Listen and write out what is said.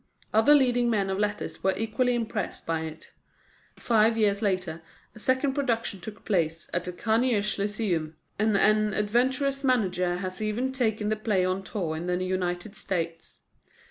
Other leading men of letters were equally impressed by it. Five years later, a second production took place at the Carnegie Lyceum; and an adventurous manager has even taken the play on tour in the United States.